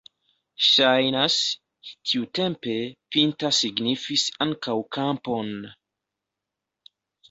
Ŝajnas, tiutempe pinta signifis ankaŭ kampon.